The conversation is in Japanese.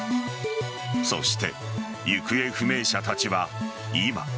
そして、行方不明者たちは今。